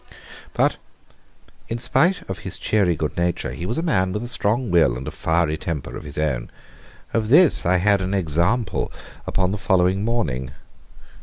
But, in spite of his cheery good nature, he was a man with a strong will and a fiery temper of his own. Of this I had an example upon the following morning.